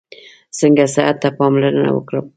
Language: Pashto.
څنګه صحت ته پاملرنه وکړم؟